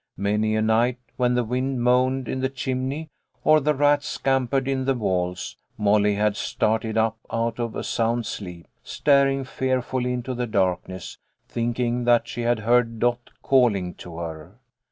Many a night, when the wind moaned in the chimney, or the rats scampered in the walls, Molly had started up out of a sound sleep, staring fearfully into the darkness, thinking that she had heard Dot calling to her.